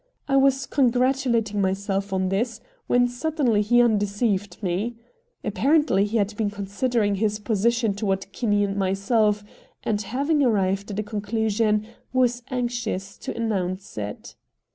I was congratulating myself on this when suddenly he undeceived me. Apparently he had been considering his position toward Kinney and myself, and, having arrived at a conclusion, was anxious to announce it.